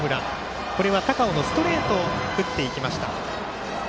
高尾のストレートを振っていきました。